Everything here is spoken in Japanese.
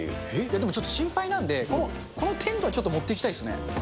でも、ちょっと心配なんで、このテンとはちょっと持っていきたいですね。